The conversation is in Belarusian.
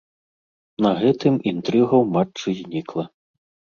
На гэтым інтрыга ў матчы знікла.